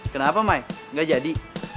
kenapa mai gak jadi